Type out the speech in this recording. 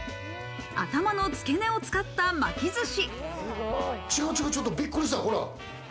頭のつけ根を使った巻き寿司。